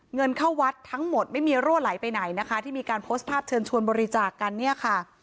เงินเข้าวัดทั้งหมดไม่มีรั่วไหลไปไหนนะคะที่มีการโพสต์ภาพเชิญชวนบริจาคกันเนี่ยค่ะ